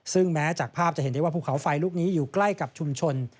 ซึ่งแม้จากภาพจะเห็นได้ว่าภูเขาไฟลูกนี้อยู่ใกล้กับชุมชน